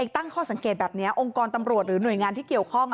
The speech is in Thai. ตั้งข้อสังเกตแบบนี้องค์กรตำรวจหรือหน่วยงานที่เกี่ยวข้อง